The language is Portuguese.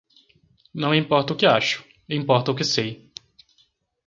Não importa o que acho, importa o que sei